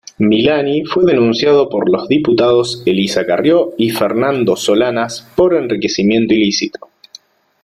Milani fue denunciado por los diputados Elisa Carrió y Fernando Solanas por enriquecimiento ilícito.